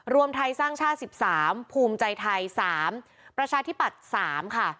รวมไทยสร้างชาติ๑๓ภูมิใจไทย๓ประชาธิปัตย์๓ค่ะ